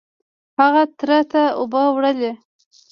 هغې تره ته اوبه وړلې.